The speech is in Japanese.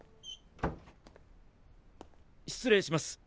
失礼します。